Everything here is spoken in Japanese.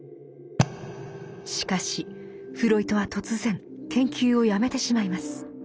しかしフロイトは突然研究をやめてしまいます。